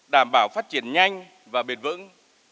đảm bảo phát triển nhanh và bền vững